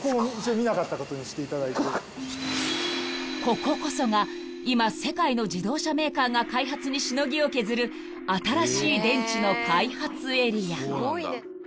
［こここそが今世界の自動車メーカーが開発にしのぎを削る新しい電池の開発エリア］